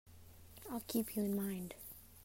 I'll keep you in mind.